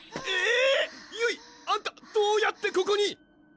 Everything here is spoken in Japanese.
えぇ⁉ゆいあんたどうやってここに？